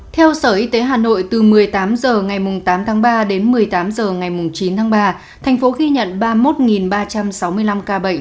theo sở y tế hà nội từ một mươi tám h ngày tám tháng ba đến một mươi tám h ngày chín tháng ba thành phố ghi nhận ba mươi một ba trăm sáu mươi năm ca bệnh